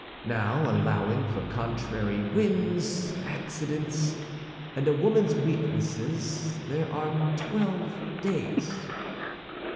Now, allowing for contrary winds, accidents, and a woman's weakness, there are twelve days."